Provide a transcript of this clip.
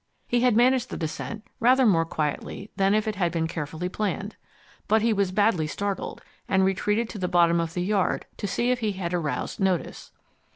He had managed the descent rather more quietly than if it had been carefully planned. But he was badly startled, and retreated to the bottom of the yard to see if he had aroused notice.